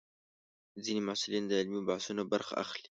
ځینې محصلین د علمي بحثونو برخه اخلي.